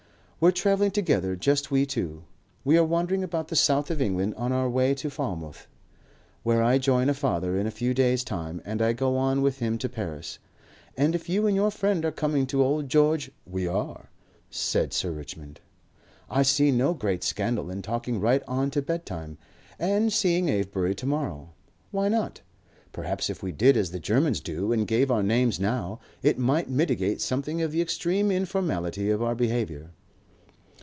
"We're travelling together, just we two. We are wandering about the south of England on our way to Falmouth. Where I join a father in a few days' time, and I go on with him to Paris. And if you and your friend are coming to the Old George " "We are," said Sir Richmond. "I see no great scandal in talking right on to bedtime. And seeing Avebury to morrow. Why not? Perhaps if we did as the Germans do and gave our names now, it might mitigate something of the extreme informality of our behaviour."